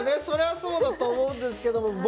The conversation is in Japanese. そりゃそうだと思うんですけども。